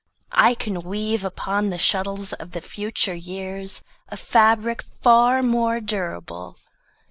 I can weave Upon the shuttles of the future years A fabric far more durable.